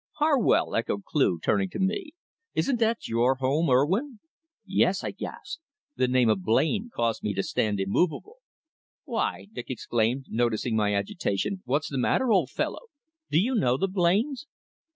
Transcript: "Harwell!" echoed Cleugh, turning to me. "Isn't that your home, Urwin?" "Yes," I gasped. The name of Blain caused me to stand immovable. "Why," Dick exclaimed, noticing my agitation, "what's the matter, old fellow? Do you know the Blains?"